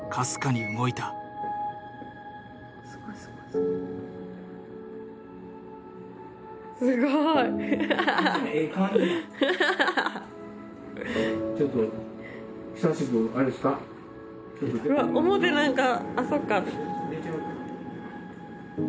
すごい。